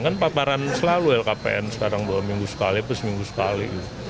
kan paparan selalu lhkpn sekarang dua minggu sekali terus minggu sekali